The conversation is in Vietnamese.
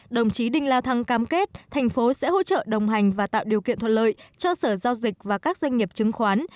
đồng chí đinh la thăng cam kết thành phố sẽ hỗ trợ đồng hành và tạo điều kiện thuận lợi cho sở giao dịch và các doanh nghiệp chứng khoán